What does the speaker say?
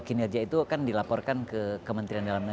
dua kinerja itu kan dilaporkan ke kementerian dalam pertahanan